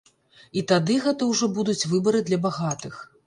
І тады гэта ўжо будуць выбары для багатых.